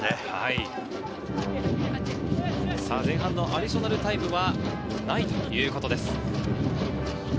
前半のアディショナルタイムはないということです。